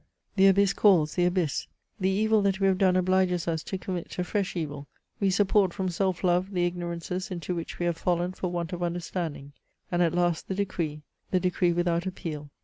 " The abyss calls the abyss. The evil that we have done obliges us to commit a fresh evil ; we support, from self love, the ignorances into which we have fallen for want of understanding." And at last the decree, the decree without appeal.